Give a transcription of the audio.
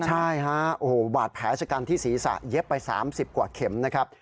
ใช่ฮะโอ้โหบาดแผลชะกันที่ศีรษะเย็บไป๓๐กว่าเข็มนะครับ